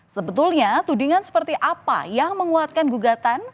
sebetulnya tudingan seperti apa yang menguatkan gugatan